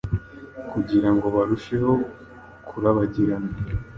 Kugirango barusheho kurabagirana